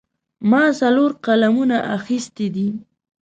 ما څلور قلمونه اخیستي دي.